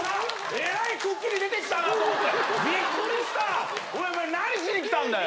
えらいくっきり出てきたなと思ってビックリしたお前何しにきたんだよ